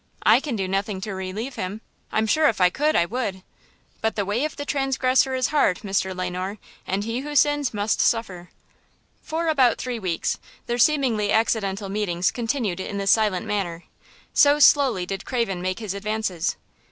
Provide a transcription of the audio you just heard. I can do nothing to relieve him. I'm sure if I could I would. But 'the way of the transgressor is hard,' Mr. Le Noir, and he who sins must suffer." For about three weeks their seemingly accidental meetings continued in this silent manner, so slowly did Craven make his advances.